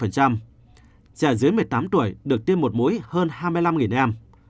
trẻ dưới một mươi tám tuổi được tiêm một mũi hơn hai mươi năm em